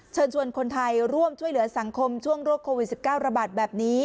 เชิญชวนคนไทยร่วมช่วยเหลือสังคมช่วงโรคโควิด๑๙ระบาดแบบนี้